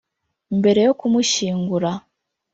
Mbere yo kumushyingura